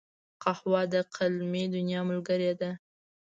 قهوه د قلمي دنیا ملګرې ده